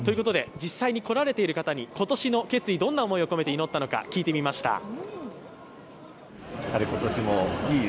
実際に来られている方に今年の決意、どんな思いを込めて祈ったのか聞いてみました。